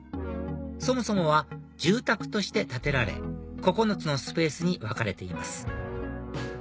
そもそもは住宅として建てられ９つのスペースに分かれています